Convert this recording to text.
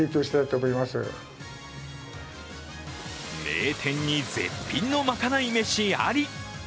名店に絶品のまかない飯あり。